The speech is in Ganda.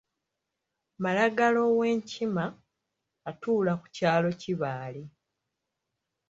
Malagala ow’enkima atuula ku kyalo Kibaale.